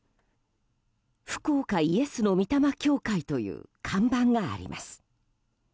福岡イエス之御霊教会という看板があります。